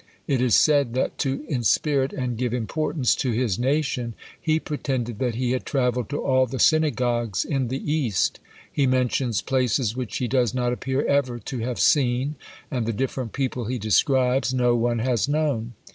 It is said that to inspirit and give importance to his nation, he pretended that he had travelled to all the synagogues in the East; he mentions places which he does not appear ever to have seen, and the different people he describes no one has known.